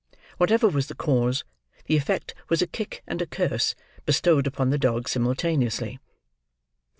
Whatever was the cause, the effect was a kick and a curse, bestowed upon the dog simultaneously.